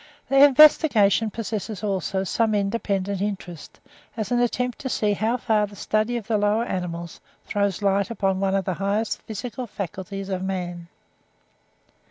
The investigation possesses, also, some independent interest, as an attempt to see how far the study of the lower animals throws light on one of the highest psychical faculties of man.